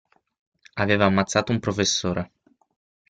Aveva ammazzato un professore.